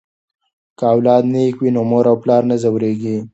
که اولاد نیک وي نو مور او پلار نه ځورېږي.